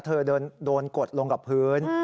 เธอโดนกดลงกับพื้น